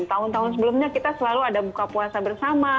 tahun tahun sebelumnya kita selalu ada buka puasa bersama